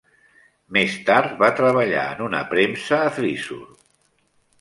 Més tard va treballar en una premsa a Thrissur.